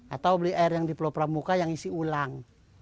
atau beli air yang di pulau pramuka yang isi ulang